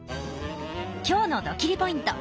今日のドキリ★ポイント。